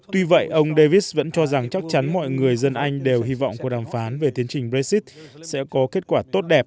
tuy vậy ông davis vẫn cho rằng chắc chắn mọi người dân anh đều hy vọng cuộc đàm phán về tiến trình brexit sẽ có kết quả tốt đẹp